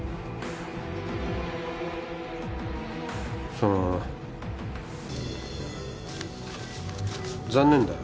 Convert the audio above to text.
その残念だよ